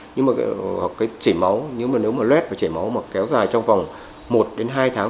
nhưng mà chảy máu nếu mà lết và chảy máu kéo dài trong vòng một hai tháng